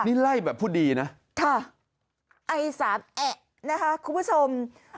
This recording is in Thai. นี่ไล่แบบผู้ดีนะค่ะไอสามแอะนะคะคุณผู้ชม